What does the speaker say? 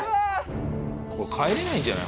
これ帰れないんじゃない？